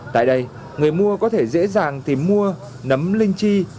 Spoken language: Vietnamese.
tại đây người mua có thể dễ dàng tìm mua nấm linh chi